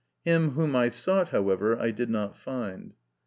Him whom I sought, however, I did not find.